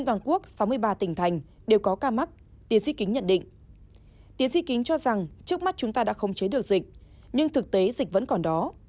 tiến sĩ kính cho rằng trước mắt chúng ta đã không chế được dịch nhưng thực tế dịch vẫn còn đó